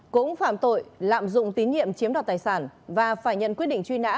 cũng phạm tội lạm dụng tín nhiệm chiếm đoạt tài sản và phải nhận quyết định truy nã